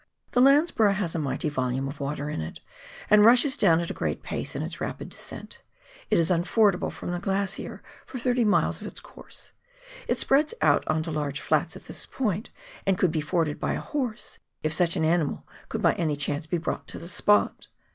The Landsborough has a mighty volume of water in it, and rushes down at a great pace in its rapid descent ; it is unf ordable from the glacier for thirty miles of its course ; it spreads out on to large flats at that point, and could be forded by a horse — if such an animal could by any chance be brought to the spot.